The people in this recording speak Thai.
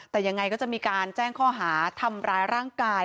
แต่ยังไงก็จะมีการแจ้งข้อหาทำร้ายร่างกาย